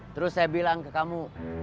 terus saya bilang ke kamu